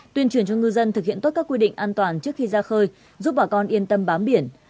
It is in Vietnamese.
tuyên truyền cho ngư dân thực hiện tốt các quy định an toàn trước khi ra khơi giúp bà con yên tâm bám biển